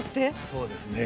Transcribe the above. そうですね。